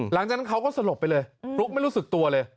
หลังจากนั้นเขาก็สลบไปเลยฟลุ๊กไม่รู้สึกตัวเลย